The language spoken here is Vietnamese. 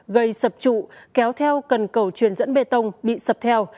gây sập trụ kéo theo cần cầu truyền dẫn bê tông bị sập theo